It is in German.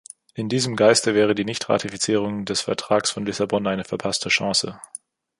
In diesem Geiste wäre die Nichtratifizierung des Vertrags von Lissabon eine verpasste Chance.